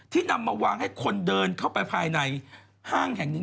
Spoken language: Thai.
นำมาวางให้คนเดินเข้าไปภายในห้างแห่งนี้